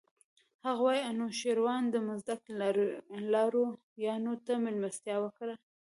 هغه وايي انوشیروان د مزدک لارویانو ته مېلمستیا وکړه.